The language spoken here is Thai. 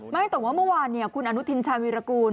ไม่แต่ว่าเมื่อวานคุณอนุทินชาวิรากูล